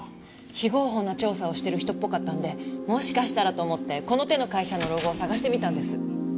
非合法な調査をしてる人っぽかったんでもしかしたらと思ってこの手の会社のログを探してみたんです。